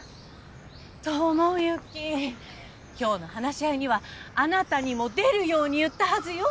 智之今日の話し合いにはあなたにも出るように言ったはずよ。